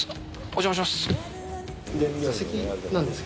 お邪魔します。